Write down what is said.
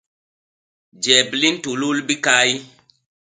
Jep li ntulul bikay.